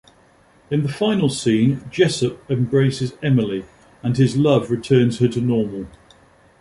In the final scene, Jessup embraces Emily, and his love returns her to normal.